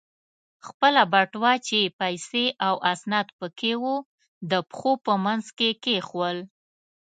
خپله بټوه چې پیسې او اسناد پکې و، د پښو په منځ کې کېښوول.